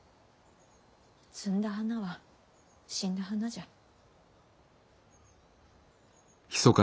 摘んだ花は死んだ花じゃ。